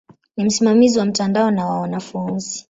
Ni msimamizi wa mtandao na wa wanafunzi.